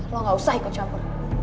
lo gak usah ikut campur